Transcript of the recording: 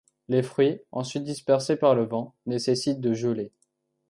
Les fruits, ensuite dispersés par le vent, nécessitent de geler.